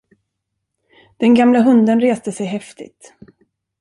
Den gamla hunden reste sig häftigt.